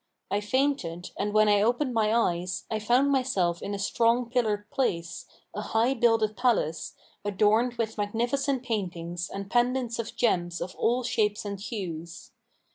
I fainted and when I opened my eyes, I found myself in a strong pillared place, a high builded palace, adorned with magnificent paintings and pendants of gems of all shapes and hues.